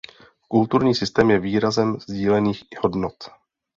Kulturní systém je výrazem sdílených hodnot.